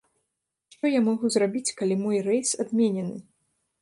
Што я магу зрабіць, калі мой рэйс адменены?